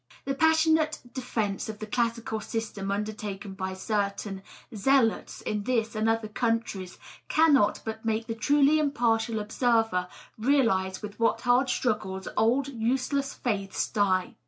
The passionate defence of the classical system undertaken by certain zealots in this and other countries cannot but make the truly impartial observer realize with what hard struggles old useless faiths die.